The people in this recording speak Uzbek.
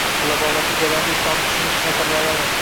Globallashuv jarayonida islomni tushunish masalalaring